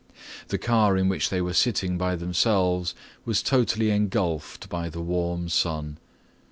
The car in which they were sitting by themselves was totally engulfed by the warm sun.